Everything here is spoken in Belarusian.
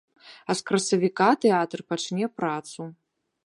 А з красавіка тэатр пачне працу.